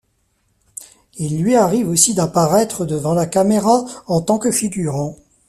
Il lui arrive aussi d'apparaître devant la caméra, en tant que figurant.